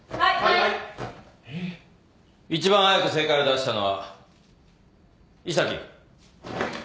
一番早く正解を出したのは伊佐木。